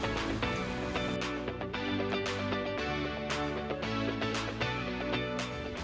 jadi aku mau buat telur telur ini